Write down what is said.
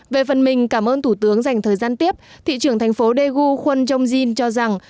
về phần mình cảm ơn thủ tướng dành thời gian tiếp thị trưởng thành phố daegu khuân chong jin cho rằng